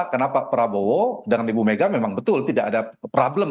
karena pak prabowo dengan ibu megawati soekarno putri memang betul tidak ada problem